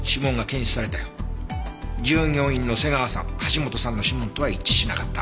従業員の瀬川さん橋本さんの指紋とは一致しなかった。